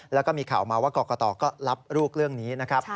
แล้วก็มีข่าวมาว่ากรกตก็รับลูกเรื่องนี้นะครับ